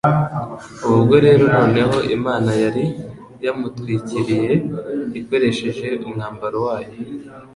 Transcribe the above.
Ubu bwo rero noneho Imana yari yamutwikiriye ikoresheje umwambaro wayo